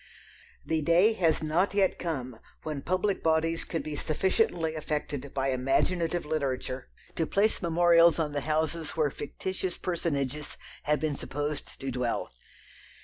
The day has not yet come when public bodies could be sufficiently affected by imaginative literature to place memorials on the houses where fictitious personages have been supposed to dwell.